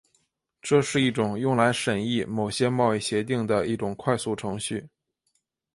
这是一种用来审议某些贸易协定的一种快速程序。